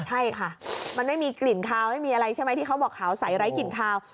ใช่ค่ะมันไม่มีกลิ่นคาวไม่มีอะไรใช่ไหมที่เขาบอกขาวใสไร้กลิ่นคาว